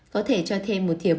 có thể cho thêm một thiểu mặt